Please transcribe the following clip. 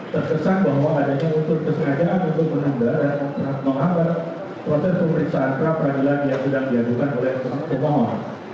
terkesan bahwa adanya unsur kesengajaan untuk menunda dan menghambat proses pemeriksaan pra peradilan yang sedang diadukan oleh pemohon